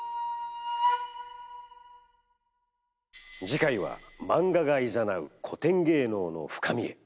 次回はマンガがいざなう古典芸能の深みへ。